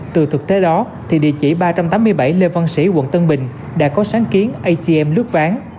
từ thực tế đó thì địa chỉ ba trăm tám mươi bảy lê văn sĩ quận tân bình đã có sáng kiến atm lướt ván